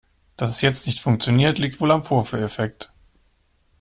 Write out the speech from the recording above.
Dass es jetzt nicht funktioniert, liegt wohl am Vorführeffekt.